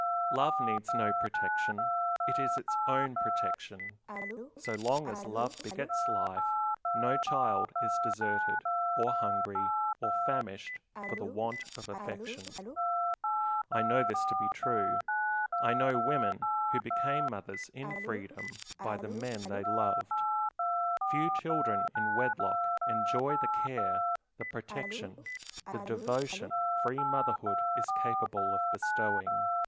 Love needs no protection; it is its own protection. So long as love begets life no child is deserted, or hungry, or famished for the want of affection. I know this to be true. I know women who became mothers in freedom by the men they loved. Few children in wedlock enjoy the care, the protection, the devotion free motherhood is capable of bestowing.